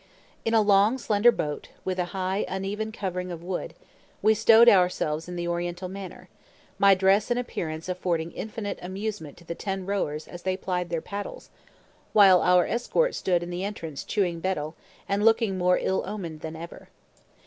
In a long, slender boat, with a high, uneven covering of wood, we stowed ourselves in the Oriental manner, my dress and appearance affording infinite amusement to the ten rowers as they plied their paddles, while our escort stood in the entrance chewing betel, and looking more ill omened than ever.